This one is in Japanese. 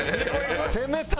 攻めたな！